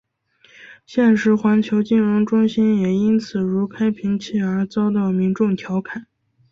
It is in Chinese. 现时环球金融中心也因形如开瓶器而遭到民众调侃。